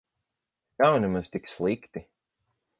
Nav nemaz tik slikti.